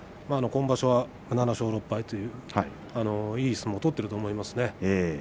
今場所は７勝６敗といういい相撲を取っていると思いますね。